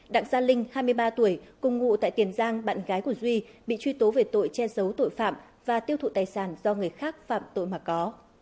đặng gia linh hai mươi ba tuổi cùng ngụ tại tiền giang bạn gái của duy bị truy tố về tội che giấu tội phạm và tiêu thụ tài sản do người khác phạm tội mà có